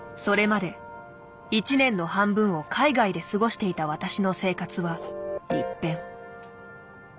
それまで一年の半分を海外で過ごしていた私の生活は一変。